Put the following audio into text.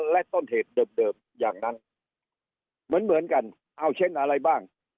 และต้นเหตุเดิมอย่างนั้นเหมือนกันเอาเช่นอะไรบ้าง